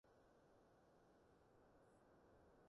你有一張新訂單呀